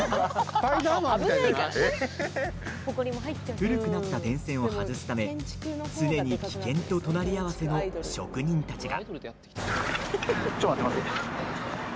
古くなった電線を外すため、常に危険と隣り合わせの職人たちが。